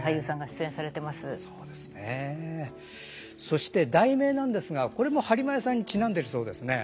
そして題名なんですがこれも播磨屋さんにちなんでるそうですね。